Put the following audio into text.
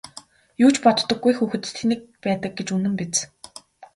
Юу ч боддоггүй хүүхэд тэнэг байдаг гэж үнэн биз!